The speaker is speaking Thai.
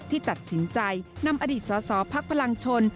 ตัดสินใจนำอดีตสสพักพลังชน